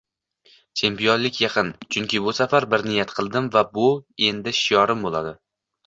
chempionlik yaqin, chunki bus afar bir niyat qildim va bu endi shiorim bo‘ladi—